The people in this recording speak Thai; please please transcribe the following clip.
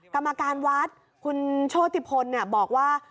กรรมการวัดคุณโชติภนเนี่ยบอกว่า